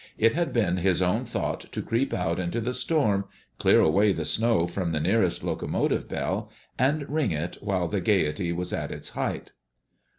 It had been his own thought to creep out into the storm, clear away the snow from the nearest locomotive bell, and ring it while the gayety was at its height.